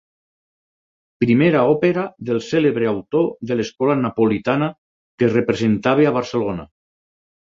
Primera òpera del cèlebre autor de l'escola napolitana que es representava a Barcelona.